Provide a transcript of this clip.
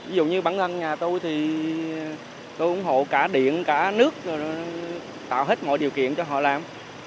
ví dụ như bản ngân nhà tôi thì tôi ủng hộ cả điện cả nước tạo hết mọi điều kiện cho họ làm